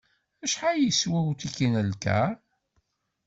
Acḥal yeswa utiki n lkar?